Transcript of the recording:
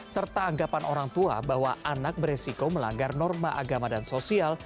serta anggapan orang tua bahwa anak beresiko melanggar norma agama dan sosial